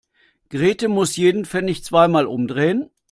Grete muss jeden Pfennig zweimal umdrehen.